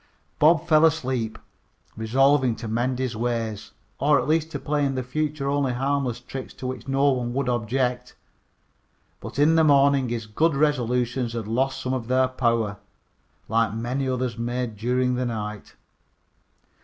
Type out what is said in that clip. Bob fell asleep, resolving to mend his ways, or at least to play in the future only harmless tricks to which no one would object. But in the morning his good resolutions had lost some of their power, like many others made during the night.